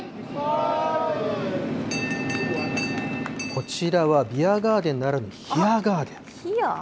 こちらはビアガーデンならぬヒアガーデン。